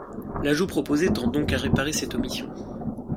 L’ajout proposé tend donc à réparer cette omission.